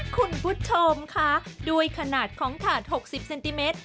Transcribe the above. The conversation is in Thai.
คุณผู้ชมคะด้วยขนาดของถาด๖๐เซนติเมตร